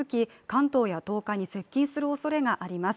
関東や東海に接近するおそれがあります。